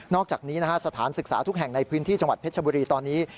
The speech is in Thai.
อกจากนี้นะฮะสถานศึกษาทุกแห่งในพื้นที่จังหวัดเพชรบุรีตอนนี้